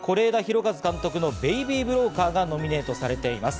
是枝裕和監督の『ベイビー・ブローカー』がノミネートされています。